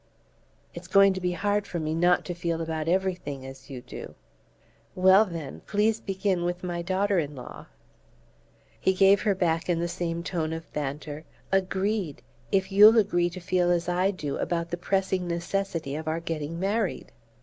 "It's going to be hard for me not to feel about everything as you do." "Well, then please begin with my daughter in law!" He gave her back in the same tone of banter: "Agreed: if you ll agree to feel as I do about the pressing necessity of our getting married."